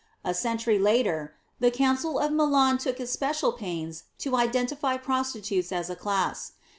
A century later, the Council of Milan took especial pains to identify prostitutes as a class.